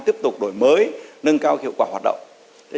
tiếp tục đổi mới nâng cao hiệu quả hoạt động